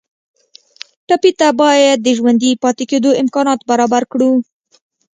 ټپي ته باید د ژوندي پاتې کېدو امکانات برابر کړو.